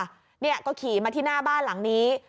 เนี่ยก็ขี่มาที่หน้าบ้านหลังนี้